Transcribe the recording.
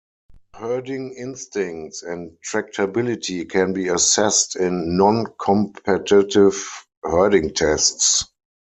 Herding instincts and tractability can be assessed in noncompetitive herding tests.